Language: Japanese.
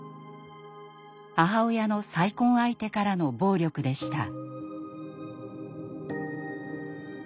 母親の再婚相手からの暴力でした。